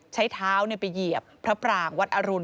ใช้เท้าไปเหยียบพระปรางวัดอรุณ